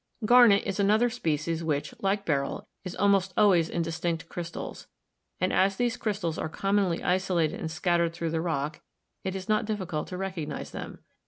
Garnet is another species which, like beryl, is almost always in distinct crystals, and as these crystals are com monly isolated and scattered through the rock, it is not difficult to recognise them.